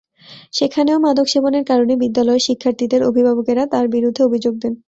সেখানেও মাদক সেবনের কারণে বিদ্যালয়ের শিক্ষার্থীদের অভিভাবকেরা তাঁর বিরুদ্ধে অভিযোগ দেন।